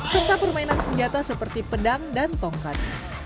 serta permainan senjata seperti pedang dan tongkat